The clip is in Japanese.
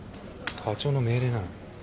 課長の命令なの。